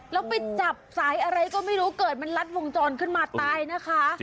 แล้วไปจับสายอะไรก็ไม่รู้เกิดมันลัดวงจรขึ้นมาตายนะคะ